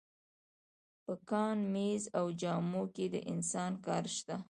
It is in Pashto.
په کان، مېز او جامو کې د انسان کار شته